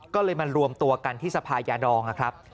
ก็เลยมารวมตัวกันที่สภายาดองนะครับ